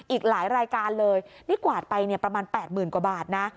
อีกหลายรายการเลยนี่กวาดไปเนี่ยประมาณ๘๐๐๐กว่าบาทนะ